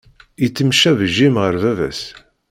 Yettemcabi Jim ɣer baba-s.